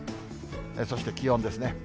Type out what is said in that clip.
そして、気温ですね。